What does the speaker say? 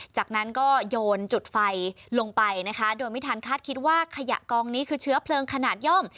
จากนั้นก็โยนจุดไฟลงไปนะคะโดยไม่ทันคาดคิดว่าขยะกองนี้คือเชื้อเพลิงขนาดย่อม